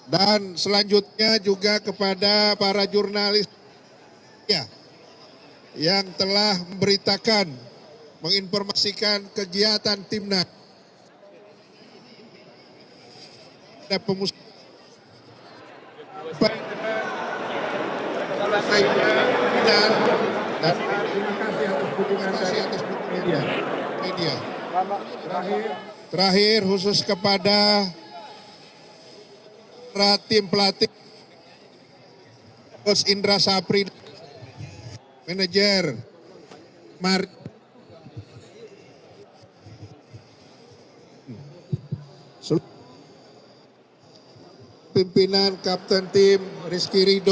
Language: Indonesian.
dan selanjutnya juga kepada para jurnalis yang telah memberitakan menginformasikan kegiatan timnas